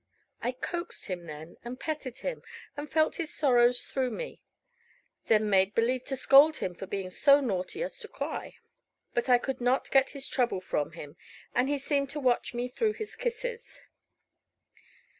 I coaxed him then, and petted him, and felt his sorrows through me; then made believe to scold him for being so naughty as to cry. But I could not get his trouble from him, and he seemed to watch me through his kisses.